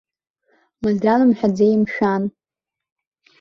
Мазран умҳәаӡеи, мшәан?